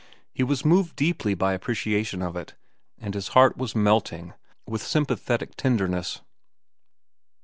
He was moved deeply by appreciation of it, and his heart was melting with sympathetic tenderness.